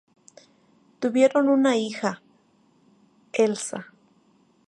Tuvieron una hija, Elsa.